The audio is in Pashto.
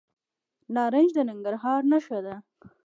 نارنج د ننګرهار نښه ده.